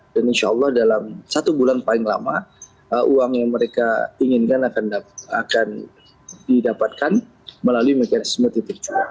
dan insya allah dalam satu bulan paling lama uang yang mereka inginkan akan didapatkan melalui mekanisme titip jual